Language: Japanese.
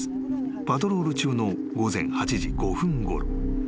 パトロール中の午前８時５分ごろ］